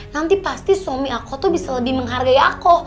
nanti pasti suami aku tuh bisa lebih menghargai aku